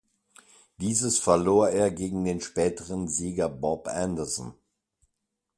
Dieses verlor er gegen den späteren Sieger Bob Anderson.